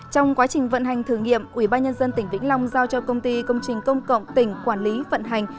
trong quá trình vận hành thử nghiệm ủy ba nhân dân tỉnh vĩnh long giao cho công ty công trình công cộng tỉnh quản lý vận hành